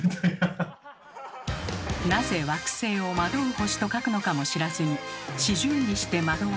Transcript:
なぜ惑星を「惑う星」と書くのかも知らずに「四十にして惑わず」。